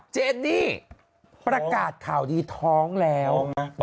เจนนี่ประกาศข่าวดีท้องแล้ว